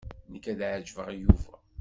Nekk ad ɛejbeɣ Yuba.